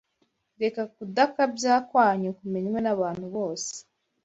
Reka kudakabya kwanyu kumenywe n’abantu bose.